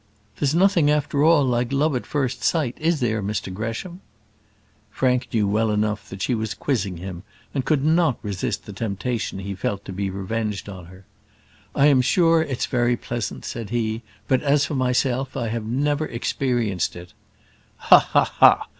"There's nothing after all like love at first sight, is there, Mr Gresham?" Frank knew well enough that she was quizzing him, and could not resist the temptation he felt to be revenged on her. "I am sure it's very pleasant," said he; "but as for myself, I have never experienced it." "Ha, ha, ha!"